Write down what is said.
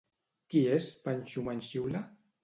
Qui és Panxo Manxiula?